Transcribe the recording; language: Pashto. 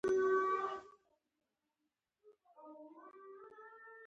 خو حقیقت کې شواهد د دې داستان ملاتړ نه کوي.